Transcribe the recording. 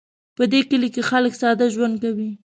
په دې کلي کې خلک ساده ژوند کوي